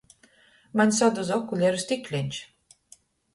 Maņ saduza okuleru stikleņš!